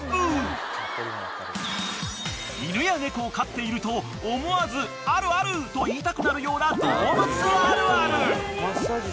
［犬や猫を飼っていると思わず「あるある」と言いたくなるような動物あるある］